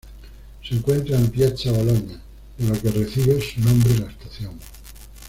Se encuentra en Piazza Bologna, de la que recibe su nombre la estación.